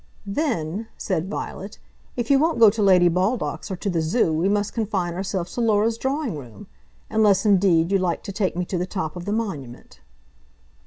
"Then," said Violet, "if you won't go to Lady Baldock's or to the Zoo, we must confine ourselves to Laura's drawing room; unless, indeed, you like to take me to the top of the Monument."